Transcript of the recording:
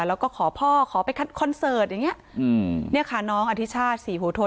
แล้วก็ขอพ่อขอไปคัดคอนเสิร์ตอย่างเงี้ยอืมเนี่ยค่ะน้องอธิชาติศรีหัวโท